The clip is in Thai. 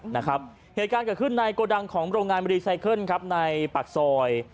นะครับเหตุการณ์เกิดขึ้นในโกดังของโรงงานครับในปากซอย